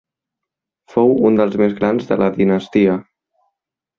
Fou un dels més grans de la dinastia.